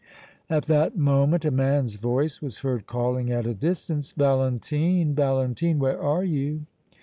At that moment a man's voice was heard calling at a distance: "Valentine, Valentine, where are you?"